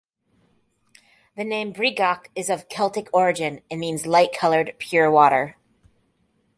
The name Brigach is of Celtic origin and means "light coloured, pure water".